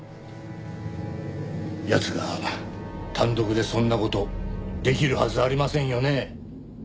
奴が単独でそんな事できるはずありませんよね？